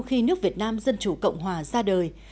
khi nước việt nam dân chủ cộng hòa ra đời